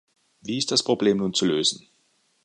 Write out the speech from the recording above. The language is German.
Wie ist das Problem nun zu lösen?